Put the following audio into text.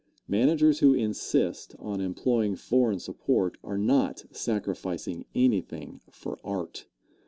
Managers who insist on employing foreign support are not sacrificing anything for art.